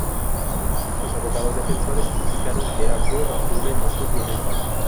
Sus abogados defensores indicaron que actuó bajo una emoción violenta.